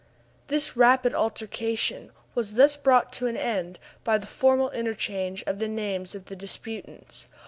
This rapid altercation was thus brought to an end by the formal interchange of the names of the disputants.